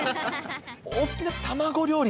お好きな卵料理